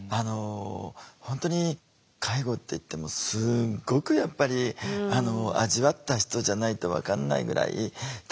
本当に介護っていってもすごくやっぱり味わった人じゃないと分かんないぐらい大変なことってあると思うんですよね。